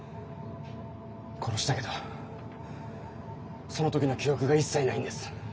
殺したけどその時の記憶が一切ないんです。